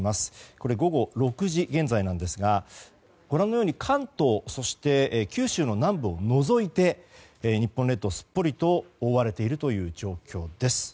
これ、午後６時現在なんですがご覧のように関東九州の南部を除いて日本列島がすっぽりと覆われているという状況です。